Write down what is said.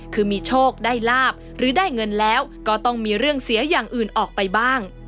คือมีโชคได้ลาบหรือได้เงินแล้วก็ต้องมีเรื่องเสียอย่างอื่นออกไปบ้าง